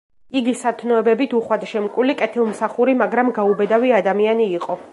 იგი სათნოებებით უხვად შემკული, კეთილმსახური, მაგრამ გაუბედავი ადამიანი იყო.